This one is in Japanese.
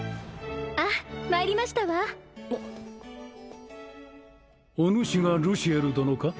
あっまいりましたわおぬしがルシエル殿か？